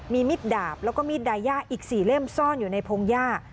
มีมิดดาบแล้วก็มีดไดย่าอีก๔เล่มซ่อนอยู่ในพงหญ้า